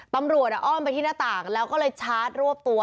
อ้อมไปที่หน้าต่างแล้วก็เลยชาร์จรวบตัว